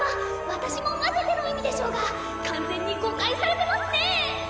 「私も交ぜて」の意味でしょうが完全に誤解されてますね。